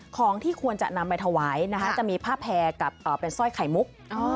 ของที่ควรจะนำไปถวายจะมีผ้าแพร่กับเป็นสร้อยไข่มุก